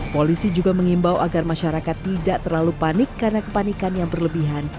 polisi juga mengimbau agar masyarakat tidak terlalu panik karena kepanikan yang berlebihan